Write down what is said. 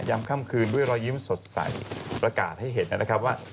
ค่ำคืนด้วยรอยยิ้มสดใสประกาศให้เห็นนะครับว่า